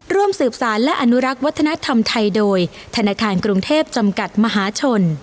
ร่วมสืบสารและอนุรักษ์วัฒนธรรมไทยโดยธนาคารกรุงเทพจำกัดมหาชน